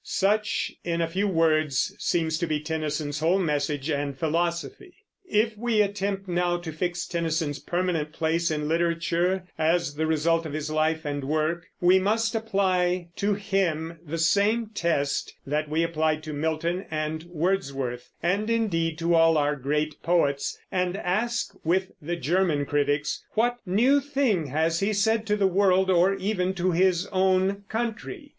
Such, in a few words, seems to be Tennyson's whole message and philosophy. If we attempt now to fix Tennyson's permanent place in literature, as the result of his life and work, we must apply to him the same test that we applied to Milton and Wordsworth, and, indeed, to all our great poets, and ask with the German critics, "What new thing has he said to the world or even to his own country?"